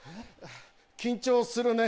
緊張するね。